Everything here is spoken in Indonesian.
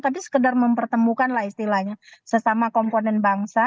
tapi sekedar mempertemukanlah istilahnya sesama komponen bangsa